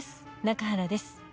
中原です」